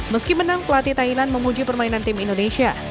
meski menang pelatih thailand memuji permainan tim indonesia